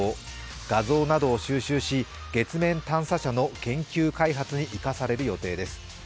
画像などを収集し月面探査車の研究開発に生かされる予定です。